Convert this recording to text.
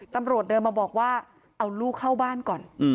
ตำรวจเดินมาบอกว่าเอาลูกเข้าบ้านก่อน